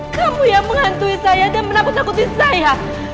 kamu yang menghantui saya dan menakutkan saya